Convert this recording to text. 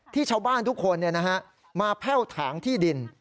ที่ชาวบ้านทุกคนมาแพ่วถางที่ดิน